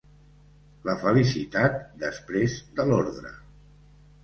La felicitat després de l’ordre.